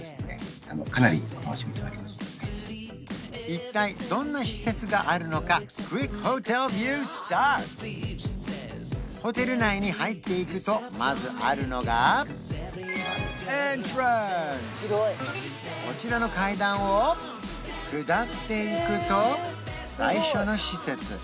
一体どんな施設があるのかホテル内に入っていくとまずあるのがこちらの階段を下っていくと最初の施設